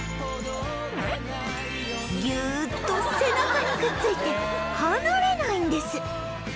ギューッと背中にくっついて離れないんです